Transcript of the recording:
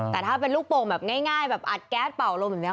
แต่ถ้าเป็นลูกโป่งแบบง่ายแบบอัดแก๊สเป่าลมแบบนี้